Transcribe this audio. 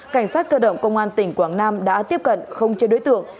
cảnh sát cơ động công an tỉnh quảng nam đã tiếp cận không chế đối tượng